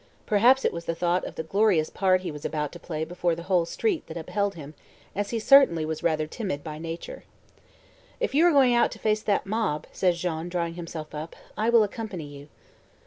Perhaps it was the thought of the glorious part he was about to play before the whole street that upheld him, as he certainly was rather timid by nature. "If you are going out to face that mob," said Jean, drawing himself up, "I will accompany you."